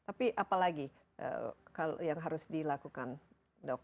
tapi apalagi yang harus dilakukan dok